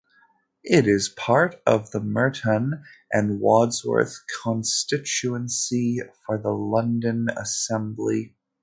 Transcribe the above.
It is part of the Merton and Wandsworth constituency for the London Assembly.